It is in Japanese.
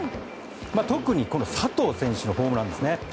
特にこの佐藤選手のホームランですね。